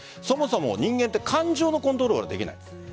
そもそも人間って感情のコントロールはできない。